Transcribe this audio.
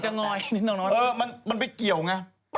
จริง